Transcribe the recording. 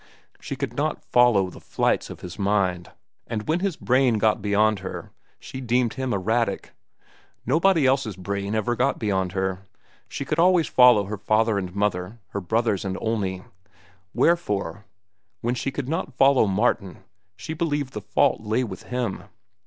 She could not follow the flights of his mind, and when his brain got beyond her, she deemed him erratic. Nobody else's brain ever got beyond her. She could always follow her father and mother, her brothers and Olney; wherefore, when she could not follow Martin, she believed the fault lay with him.